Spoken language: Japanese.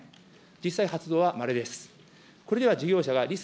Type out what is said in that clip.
実際発動はまれです。